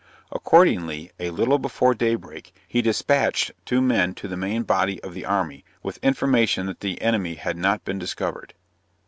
Accordingly, a little before daybreak, he despatched two men to the main body of the army, with information that the enemy had not been discovered.